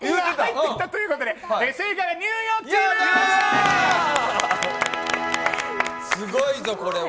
ということで、すごいぞ、これは。